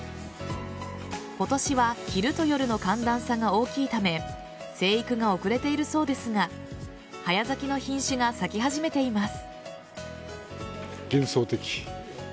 今年は昼と夜の寒暖差が大きいため生育が遅れているそうですが早咲きの品種が咲き始めています。